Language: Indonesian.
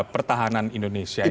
pertahanan indonesia ini